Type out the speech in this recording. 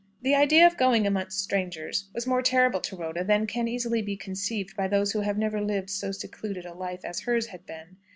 The idea of going amongst strangers was more terrible to Rhoda than can easily be conceived by those who have never lived so secluded a life as hers had been.